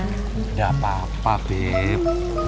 gak apa apa beb